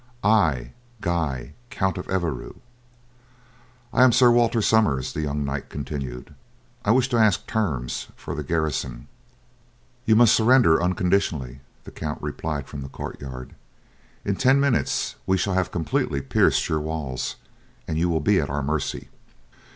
"I, Guy, Count of Evreux." "I am Sir Walter Somers," the young knight continued. "I wish to ask terms for the garrison. "You must surrender unconditionally," the count replied from the courtyard. "In ten minutes we shall have completely pierced your walls, and you will be at our mercy."